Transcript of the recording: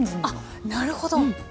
あっなるほど。